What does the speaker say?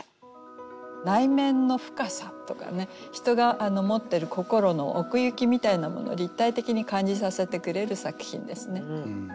人が持ってる心の奥行きみたいなもの立体的に感じさせてくれる作品ですね。